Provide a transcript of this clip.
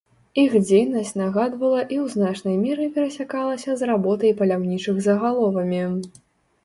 Іх дзейнасць нагадвала і ў значнай меры перасякалася з работай паляўнічых за галовамі.